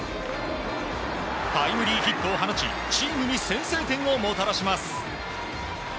タイムリーヒットを放ちチームに先制点をもたらします。